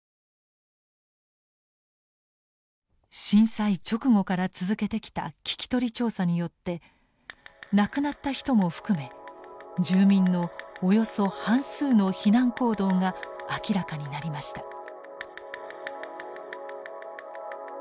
震災直後から続けてきた聞き取り調査によって亡くなった人も含め住民のおよそ半数の避難行動が明らかになりました。